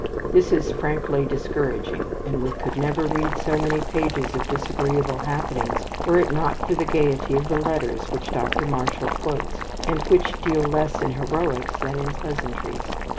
This is frankly discouraging, and we could never read so many pages of disagreeable happenings, were it not for the gayety of the letters which Dr. Marshall quotes, and which deal less in heroics than in pleasantries.